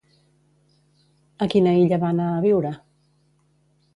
A quina illa va anar a viure?